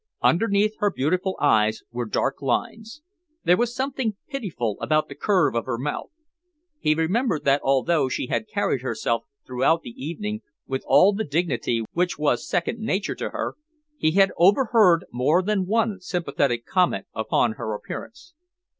Underneath her beautiful eyes were dark lines; there was something pitiful about the curve of her mouth. He remembered that although she had carried herself throughout the evening with all the dignity which was second nature to her, he had overheard more than one sympathetic comment upon her appearance.